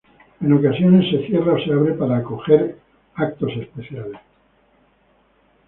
En ocasiones, se cierra o se abre para acoger eventos especiales.